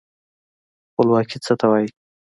خپلواکي څه ته وايي؟